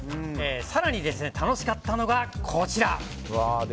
更に楽しかったのが、こちら。